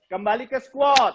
kembali ke squat